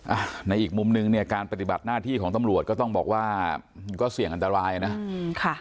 อ้าวในอีกมุมนึงเนี่ยการปฏิบัติหน้าที่ของต้องบอกว่าก็เสี่ยงอันตรายนะ